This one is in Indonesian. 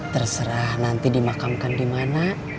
terserah nanti dimakamkan di mana